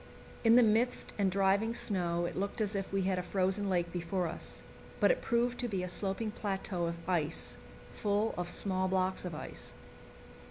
In the mist and driving snow it looked as if we had a frozen lake before us; but it proved to be a sloping plateau of ice, full of small blocks of ice.